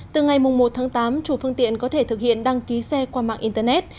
từ ngày một tháng tám chủ phương tiện có thể thực hiện đăng ký xe qua mạng internet